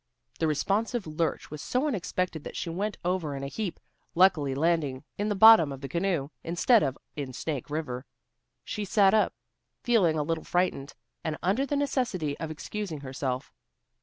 The responsive lurch was so unexpected that she went over in a heap, luckily landing in the bottom of the canoe, instead of in Snake River. She sat up, feeling a little frightened, and under the necessity of excusing herself.